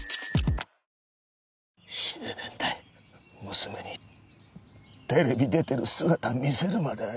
娘にテレビ出てる姿見せるまではよ。